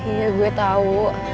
iya gue tau